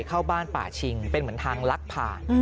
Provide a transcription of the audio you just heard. เข้าบ้านป่าชิงเป็นเหมือนทางลักผ่าน